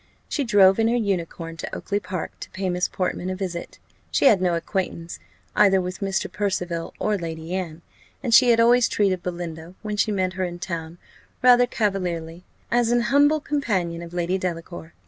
She drove in her unicorn to Oakly park to pay Miss Portman a visit. She had no acquaintance either with Mr. Percival or Lady Anne, and she had always treated Belinda, when she met her in town, rather cavalierly, as an humble companion of Lady Delacour.